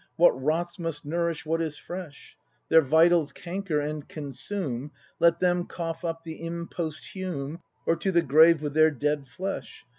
What rots must nourish what is fresh; Their vitals canker and consume. Let them cough up the imposthume, Or to the grave with their dead flesh!